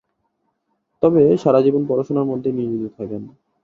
তবে সারাজীবন পড়াশোনার মধ্যেই নিয়োজিত থাকেন।